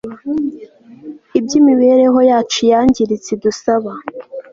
ibyimibereho yacu yangiritse idusaba